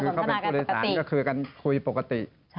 คือเขาเป็นผู้โดยสารก็คือกันคุยปกติ